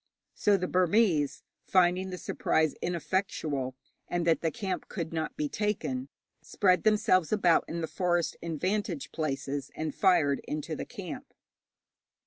So the Burmese, finding the surprise ineffectual, and that the camp could not be taken, spread themselves about in the forest in vantage places, and fired into the camp.